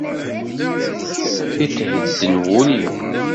Ithedden wul-iw.